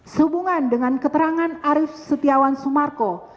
sehubungan dengan keterangan arief setiawan sumarko